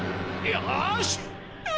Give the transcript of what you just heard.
よし！